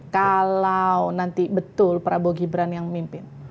kalau nanti betul prabowo gibran yang memimpin